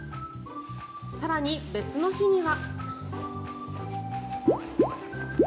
更に別の日には。